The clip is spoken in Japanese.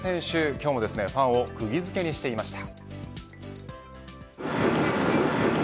今日もファンをくぎ付けにしていました。